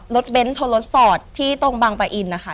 รถเบนท์รถฟอร์ตที่ตรงบางประอินทร์นะคะ